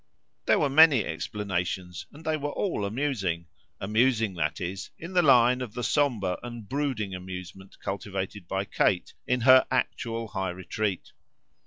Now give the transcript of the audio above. There were many explanations, and they were all amusing amusing, that is, in the line of the sombre and brooding amusement cultivated by Kate in her actual high retreat.